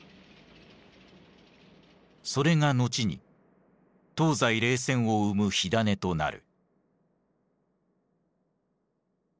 それが後に東西冷戦を生む火種となる。